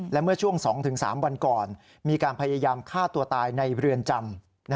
และเมื่อช่วง๒๓วันก่อนมีการพยายามฆ่าตัวตายในเรือนจำ